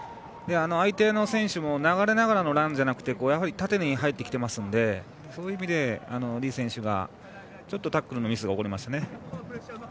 相手の選手も流れながらのランじゃなくて縦に入ってきていますのでそういう意味で、李選手にタックルのミスが起きましたね。